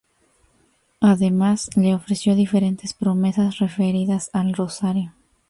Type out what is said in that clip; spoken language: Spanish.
Además, le ofreció diferentes promesas referidas al rosario.